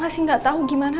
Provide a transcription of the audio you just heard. masih gak tau gimana